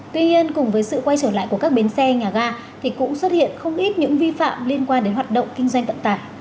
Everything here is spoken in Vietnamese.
tuy nhiên cùng với sự quay trở lại của các bến xe nhà ga thì cũng xuất hiện không ít những vi phạm liên quan đến hoạt động kinh doanh vận tải